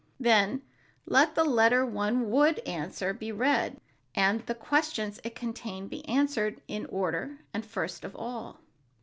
Then, let the letter one would answer be read, and the questions it contains be answered in order, and first of all.